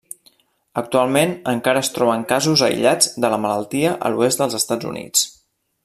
Actualment, encara es troben casos aïllats de la malaltia a l'oest dels Estats Units.